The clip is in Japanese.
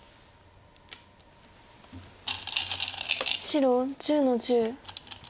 白１０の十。